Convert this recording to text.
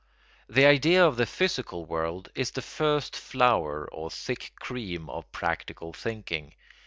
The idea of the physical world is the first flower or thick cream of practical thinking.